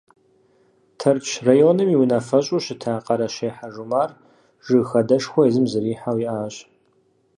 Тэрч районым и унафэщӏу щыта Къэрэщей Хьэжумар жыг хадэшхуэ езым зэрихьэу иӏащ.